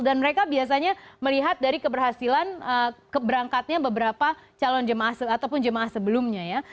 dan mereka biasanya melihat dari keberhasilan keberangkatnya beberapa calon jemaah ataupun jemaah sebelumnya ya